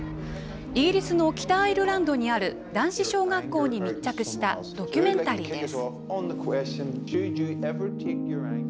イギリスの北アイルランドにある男子小学校に密着したドキュメンタリーです。